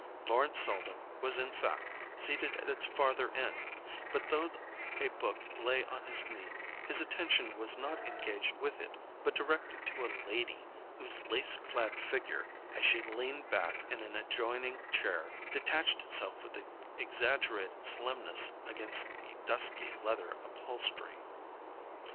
Lawrence Selden was in fact seated at its farther end; but though a book lay on his knee, his attention was not engaged with it, but directed to a lady whose lace clad figure, as she leaned back in an adjoining chair, detached itself with exaggerated slimness against the dusky leather upholstery.